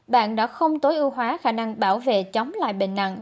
bạn đã không tối ưu hóa khả năng bảo vệ chống lại bệnh nặng